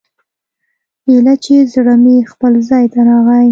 ايله چې زړه مې خپل ځاى ته راغى.